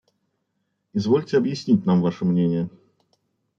– Извольте объяснить нам ваше мнение».